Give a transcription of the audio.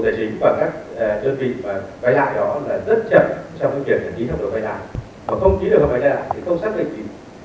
thì cái quản quay lại đó chưa thể là kế hoạch